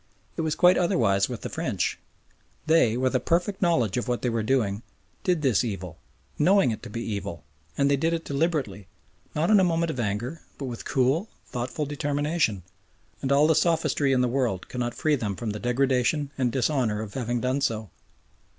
It was quite otherwise with the French. They, with a perfect knowledge of what they were doing, did this evil, knowing it to be evil, and they did it deliberately, not in a moment of anger but with cool, thoughtful determination, and all the sophistry in the world cannot free them from the degradation and dishonour of having done so.